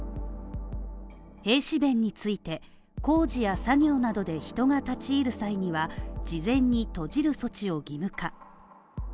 閉止弁について、工事や作業などで人が立ちいる際には事前に閉じる措置を義務化。